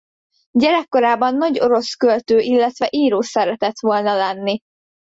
Gyerekkorában nagy orosz költő illetve író szeretett volna lenni.